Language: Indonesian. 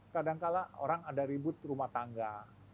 kadang kadang orang ada ribut rumah tangga